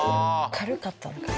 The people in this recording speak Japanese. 軽かったのかな？